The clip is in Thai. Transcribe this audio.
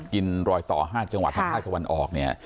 กินรอยต่อ๕จังหวัดทั้ง๕กวันออก